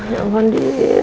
ya ampun andien